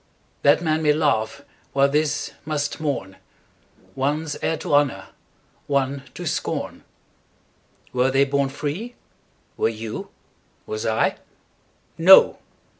'That man may laugh while this must mourn; One's heir to honour, one to scorn—Were they born free? Were you? Was I?No!